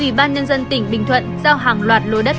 ủy ban nhân dân tỉnh bình thuận giao hàng loạt lô đất